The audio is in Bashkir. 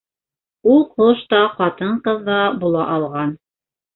Ул ҡош та, ҡатын-ҡыҙ ҙа була алған.